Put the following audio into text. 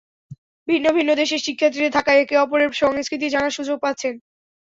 ভিন্ন ভিন্ন দেশের শিক্ষার্থীরা থাকায় একে অপরের সংস্কৃতি জানার সুযোগ পাচ্ছেন।